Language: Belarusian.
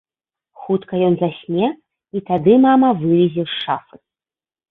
Хутка ён засне, і тады мама вылезе з шафы.